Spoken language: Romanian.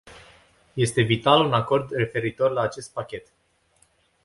Este vital un acord referitor la acest pachet.